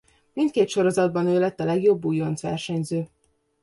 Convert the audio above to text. Mindkét sorozatban ő lett a legjobb újonc versenyző.